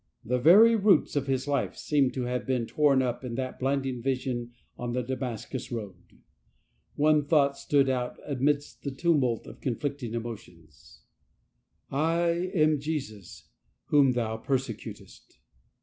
The very roots of his life seemed to have been torn up in that blinding vision on the Damas cus road. One thought stood out amidst the tumult of conjBicting emotions: " I am Jesus, whom thou persecutest !"